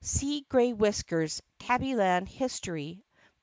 (See Grey whiskers's "Tabbyland His tory," p.